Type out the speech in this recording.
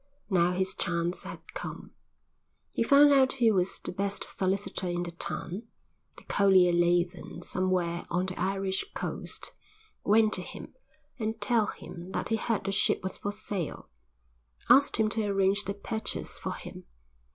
Now his chance had come. He found out who was the best solicitor in the town the collier lay then somewhere on the Irish coast went to him, and, telling him that he heard the ship was for sale, asked him to arrange the purchase for him.